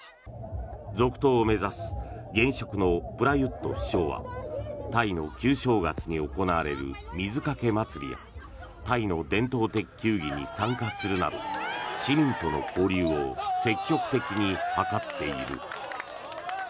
続投を目指す現職のプラユット首相はタイの旧正月に行われる水かけ祭りやタイの伝統的球技に参加するなど市民との交流を積極的に図っている。